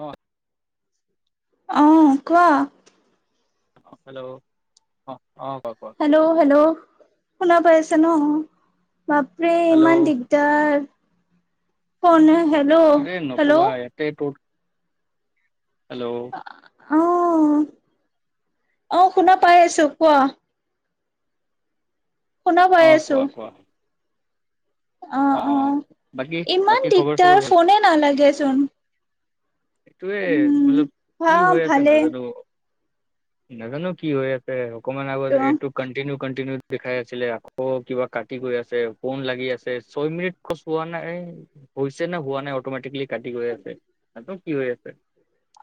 অ আহ কোৱা হেল্ল', ক হেল্ল', হেল্ল' শুনা পাইছে ন বাপৰে হেল্ল' ইমান দিগদাৰ। ফোনে হেল্ল', আৰে নকবা হেল্ল', ইয়াতে তোৰ হেল্ল', আহ আহ শুনা পাই আছো, কোৱা। শুনা পাই অঁ কোৱা কোৱা। অহ অ অ অহ বাকী ইমান বাকী খবৰ চবৰ দিগদাৰ ভাল ফোনে নালাগেচোন। এইটোয়ে, মতলব ভা কি হৈ আছে ভালে নাজানো। নাজানো কি হৈ আছে। অকমান আগত তো। এইটো কন্টিনিউ কণ্টিনিউ দেখাই আছিলে। আকৌ কিবা কাটি গৈ আছে, ফোন লাগি আছে, ছয় মিনিট খচ হোৱা নাই। হৈছে নে হোৱা নাই অটমেটিকলি কাটি গৈ আছে। একদম কি হৈ আছে।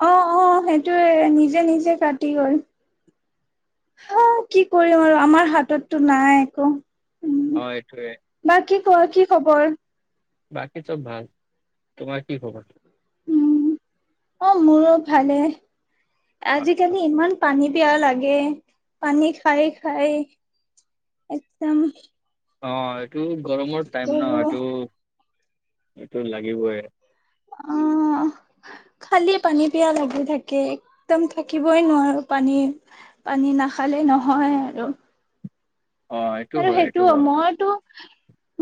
অ অ সেইটোয়ে নিজে নিজে কাটি গল। হু কি কৰিম আৰু আমাৰ হাততটো নাই একো। উম। অ এইটোয়ে বা কি ক কি খবৰ? বাকী চব ভাল। তোমাৰ কি খবৰ? উম, অ মোৰো ভালে। আজিকালি ইমান পানী এই পিয়াহ লাগে, পানী খাই খাই একদম অ এইটো গৰমৰ টাইম ন, গৰু এইটো এইটো লাগিবই। অহ খালি পানী পিয়াহ লাগি থাকে। একদম থাকিবই নোৱাৰোঁ পানী পানী নাখালে। নহয় আৰু। অ এইটো আৰু হয় এইটো সেইটো হয় মইতো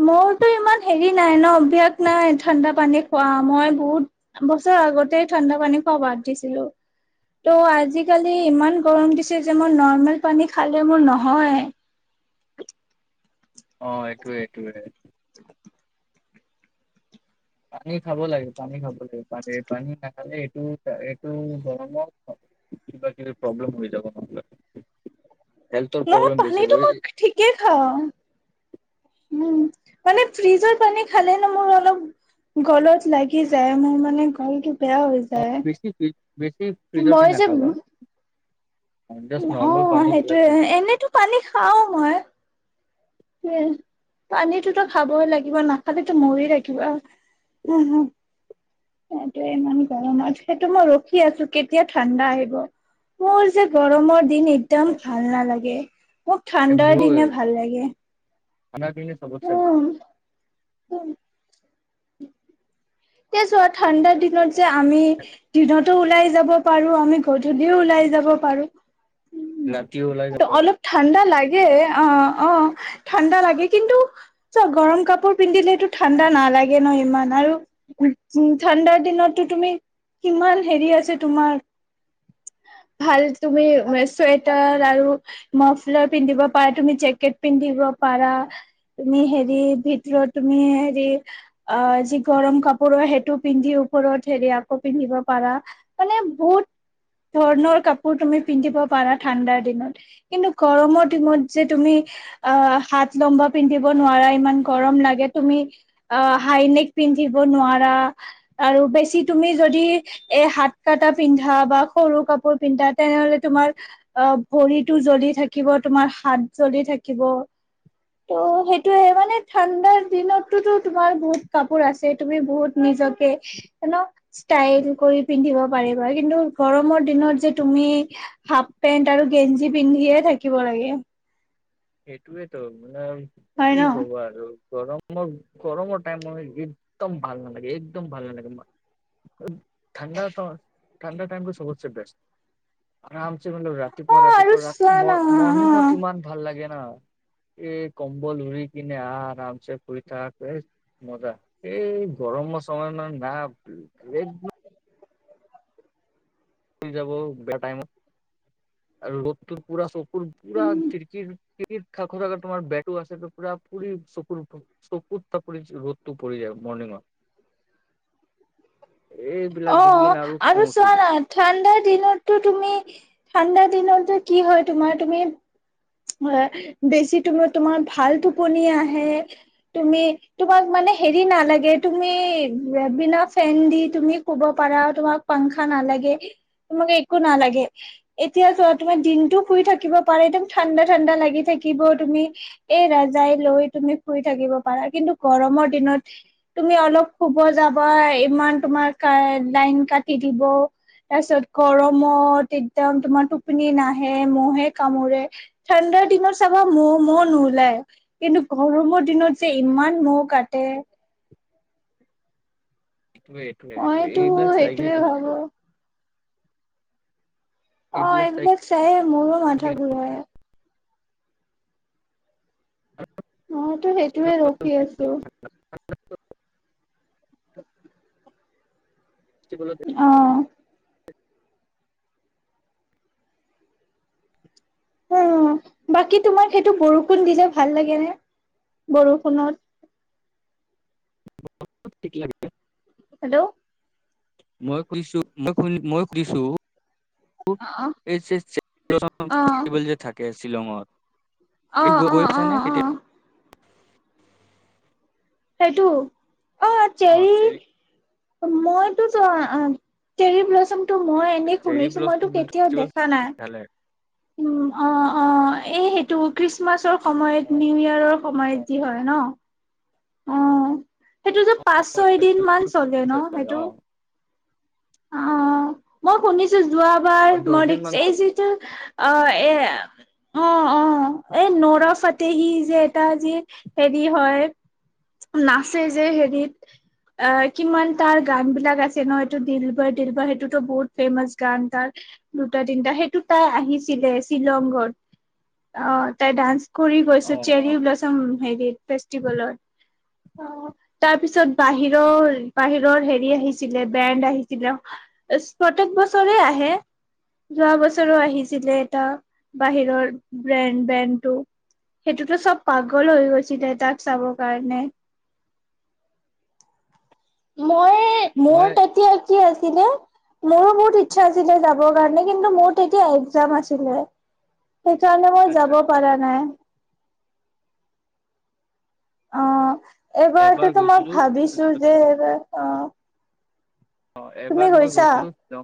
মোৰতো ইমান হেৰি নাই ন অভস্যাস নাই ঠাণ্ডা পানীত। খোৱা মই বহুত বছৰ আগতেই ঠাণ্ডা পানী খোৱা বাদ দিছিলো। ত' আজিকালি ইমান গৰম দিছে যে মই নৰ্মেল পানী খালে মোৰ নহয়। [unintelligible] অ এইটোৱে এইটোয়েই। [unintelligible] পানী খাব লাগে পানী খাব লাগে পান পানী নাখালে এইটো এইটো গৰমত। কিবা কিবি প্ৰব্লেম হৈ যাব নহলে হেল্থৰ ইয়াত প্ৰব্লেম বেছি পানীটো হয় মই ঠিকেই খাওঁ উম। মানে ফ্ৰিজৰ পানী খালে ন মোৰ অলপ। গলত লাগি যায় মোৰ মানে গলটো। বেয়া হৈ বেছি ফ্ৰিজ- বেছি যায় ফ্ৰিজৰ পানী মই যে। নাখাবা জাষ্ট অ নৰ্মেল পানী বিলাক সেইটোয়ে খা। এনেতো পানী খাওঁ মই। হ পানীটোতো খাবইে লাগিব নাখালেতো মৰি থাকিবা। হুম হুম। সটো ইমান গৰমত সেইটো মই ৰখি আছো, কেতিয়া ঠাণ্ডা আহিব। মোৰ যে গৰমত দিন অ একদম ভাল নালাগে মোক ঠাণ্ডাৰ দিনে ভাল লাগে। আমাৰ পিনে চবত চে বেয়া। উম। তে যোৱা ঠাণ্ডাৰ দিনত যে আমি দিনত। ওলাই যাব পাৰো আমি গধূলিও ওলাই যাব পাৰো। ৰাতি ওলাই উ যাব অলপ ঠাণ্ডা লাগে অ অ। ঠাণ্ডা লাগে কিন্তু চ গৰম কাপোৰ পিন্ধিলেতটো ঠাণ্ডা নালাগে ন ইমান আৰু। উ উ ঠাণ্ডাৰ দিনততো তুমি কিমান হেৰি আছে তোমাৰ। অ [unintelligible] ভাল তুমি চুৱেটাৰ আৰু মাফলাৰ পিন্ধিব পাৰা তুমি জেকেট পিন্ধিব পৰা তুমি হেৰি ভিতৰত তুমি হেৰি যি গৰম কাপোৰ সেইটো পিন্ধি ওপৰত হেৰি আকৌ পিন্ধিব পাৰা মানে বহুত ধৰণৰ কাপোৰ তুমি পিন্ধিব পাৰা ঠাণ্ডাৰ দিনত কিন্তু গৰমৰ দিনত যে তুমি হাত লম্বা পিন্ধব নোৱাৰা ইমান গৰম লাগে তুমি হাইনেক পিন্ধিব নোৱাৰা আৰু বেছি তুমি যদি এ হাত কাটা পিন্ধা বা সৰু কাপোৰ পিন্ধা তেনেহলে তোমাৰ অ ভৰিতটো জ্বলি থাকিব তোমাৰ হাত জ্বলি থাকিব। থাকিব। ত সেইটোয়ে মানে ঠাণ্ডাৰ দিনতটো তোমাৰ বহুত কাপোৰ আছে তুমি বহুত নি নিজকে ষ্টাইল কৰি পিন্ধিব পাৰিবা কিন্তু গৰমৰ দিনত যে তুমি হাফ পেন্ট আৰু গেঞ্জি পিন্ধিয়ে থাকিব লাগে। সেইটোৱেতো মানে কি হয় ন হব আৰু গৰমৰ গৰমৰ টাইম মই একদম ভাল নালাগে একদম ভাল নালাগে ঠাণ্ডা ঠাণ্ডা টাইমটো চবতছে বেষ্ট আ ৰাতিপুৱা অ আৰু ৰাতিপুৱা চোৱা ম না মৰ্ণিং ত ইমান ভাল লাগে না এই কম্বল উৰি কিনে আৰামছে শুই থাক মজা এই গৰম সময় ন না এক যাব বেয়া টাইমত [inaudible] আৰু ৰ'দটো পুৰা চকুৰ পুৰা খিৰিকিৰ খ থাক থাককা তোমাৰ বেটো আছে পুৰা পুৰি চকুৰ চকুৰ থাপৰি ৰ'দটো পৰি যায় মৰ্ণিং ৱাক। এইবিলাক অ দেখি কিনে খং আৰু উঠি চোৱা না যায় ঠাণ্ডাত দিনতো তুমি ঠাণ্ডা দিনতো কি হয় তোমাৰ তুমি অ বেছি তুমি তোমাৰ ভাল টোপনি আহে তুমি তোমাক মানে হেৰি নালাগে তুমি বিনা ফেন দি তুমি শুব পাৰা তোমাক পাংখা নালাগে তোমাকে একো নালাগে এতিয়া তোমাৰ দিনটো শুই থাকিব পাৰে একদম ঠাণ্ডা ঠাণ্ডা লাগি থাকিব তুমি এই ৰাজাই লৈ তুমি শুই থাকিব পাৰা কিন্তু গৰম গমৰ দিনত তুমি অলপ শুব যাবা ইমান তোমাৰ লাইন কাটি দিব। তাপিছত গৰমত একদম তোমাৰ টোপনি নাহে নাহে কামোৰে। ঠাণ্ডাৰ দিনত চাবা মহ ম নোলায়, কিন্তু গৰমৰ দিনত যে ইমান মহ। কাটে এটোৱে এটোৱে, মইতো এইবিলাক চাই গে সেইটোয়ে ভাবো তমাকাল অ এইবিলাক চায়ে মোৰো মাথা ঘূৰায়। অ তো সেইটোয়ে ৰখি আছো। [unintelligible] কিনে অ উম বাকী তোমাক সেইটো বৰষুণ দিলে ভাল লাগে নে, বৰষুণত? অলপ থিকে আগিছে। হেল্ল' মই খুজিছো মই, মই খুজিছো। অ অ [unintelligible] অ গৈ অ গৈ অ পাইছানে অ কেতিয়াবা? সেইটো অ চেৰি। মইতো আঁহ চেৰিবিলাস্ম টো মই এনেই চেৰি শুনিছো, ব্লচম মইতো কেতিয়াও ফেষ্টিভেল দেখা নাই। ভালে উম, অ অ এহেইত টো খ্ৰীষ্টমাছৰ অ সময়ত নি আৰু সময়ত যি হয় ন অ, সেইটো যে পাঁচ ছয় দিন মান চলে ন অ সেইটো? অ মই শুনিছো, অ যোৱাবাৰ দহ মই দিন মান দেখিছো এই চল যিটো আ এ [unintelligible] অ অ এই নৰা ফাটেহি যে এটা যে হেৰি হয় নাচে যে হেৰিত অ কিমান তাৰ গান বিলাক আছে ন এইটো দিলবৰ দিলবৰ সেইটোতো বহুত ফেমাচ গান তাৰ। দুটা তিনিটা সেইটো তাই আহিছিলে, শ্বিলং গৈ, অ তাই ডান্স কৰি অ গৈছে, অ চেৰি ব্লচম হেৰি ফেষ্টিভেলৰ। অ তাৰপিছত বাহিৰৰ বাহিৰৰ হেৰি আহিছিলে বেণ্ড আহিছিলে। প্ৰত্যেক বছৰে আহে। যোৱা বছৰো আহিছিলে এটা বাহিৰৰ ব্ৰেণ্ড বেণ্ডটো। সেইটোতো চব পাগল হৈ গৈছিলে, তাক চাব। কাৰণে মই মই মোৰ তেতিয়া কি আছিলে, মোৰো বহুত ইচ্ছা আছিলে যাবৰ কাৰণে কিন্তু মোৰ তেতিয়া এক্জাম আছিলে। সেই কাৰণে মই আচ্ছা যাব আচ্ছা পাৰা নাই। অ এবাৰ এইবাৰটোতো মই গৈছিলো ভাবিছোঁ যে অ। অ তুমি এবাৰ মই গৈছা? গৈছিলোঁ তেওঁ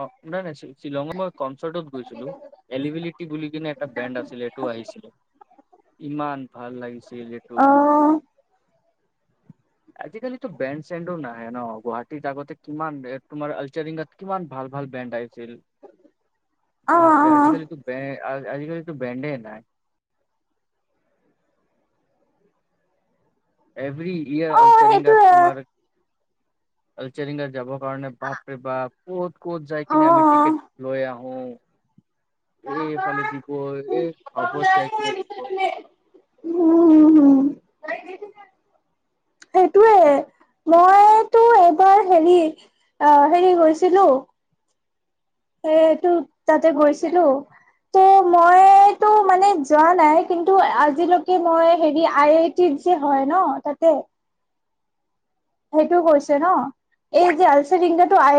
অ নাই নাই। শ্বিলঙত মই কনচাৰ্টত গৈছিলোঁ এলবিলিটি বুলি কিনে এটা ব্ৰেণ্ড আছিলে এইটো আহিছিলে। ইমান ভাল লাগিছে। অ। আজি কালিটো বেণ্ড চেণ্ডো নাহে ন গুৱাহাটীত আগতে। কিমান ব্ৰেণ্ড তোমাৰ আলচাৰিংত কিমান ভাল ভাল ব্ৰেণ্ড আহি অ' বাপৰে অ' আজিকালিটো বে আজিকালিতো বেণ্ডে নাই এভৰি ইয়াৰ অ' আলচৰিং সেইটোয়ে তোমাৰ চেৰিংগা যাবৰ কাৰণে বাপৰে বাপ ক'ত, ক'ত যাই অ' কিনে আমি টিকেট লৈ আহো, এফালে দিব এ খবত যায় কি ন দিব [unintelligible] উ সেইটোয়ে মইতো এইবাৰ হেৰি অ হেৰি গৈছিলো সেইটো তাতে গৈছিলোঁ। ত মইতো মানে যোৱা নাই কিন্তু আজিলৈকে মই হেৰি আই আই টি, হয় ন তাতে, সেইটোও কৈছে ন এই যে আলচ ৰিংগাটো আই